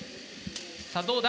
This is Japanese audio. さあどうだ？